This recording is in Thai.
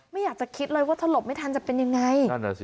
ไม่อยากจะคิดเลยว่าถ้าหลบไม่ทันจะเป็นยังไง